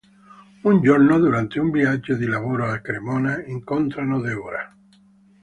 Un giorno, durante un viaggio di lavoro a Cremona, incontrano Deborah.